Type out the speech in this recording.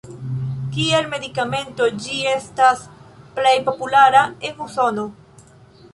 Kiel medikamento ĝi estas plej populara en Usono.